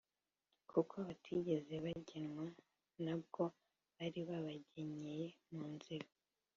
kuko batigeze bagenywa, nta bwo bari babagenyeye mu nzira.